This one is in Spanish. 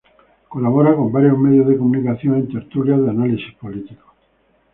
Colabora con varios medios de comunicación en tertulias de análisis político.